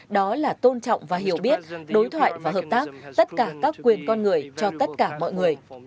đó là tôn trọng và hiểu biết đối thoại và hợp tác tất cả các quyền con người cho tất cả mọi người